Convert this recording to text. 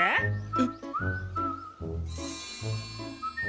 えっ。